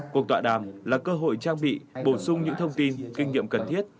cuộc tọa đàm là cơ hội trang bị bổ sung những thông tin kinh nghiệm cần thiết